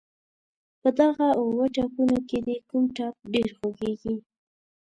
په دغه اووه ټپونو کې دې کوم ټپ ډېر خوږېږي.